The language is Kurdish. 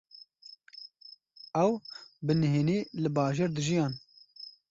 Ew bi nihênî li bajêr dijiyan.